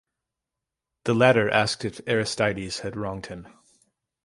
The latter asked if Aristides had wronged him.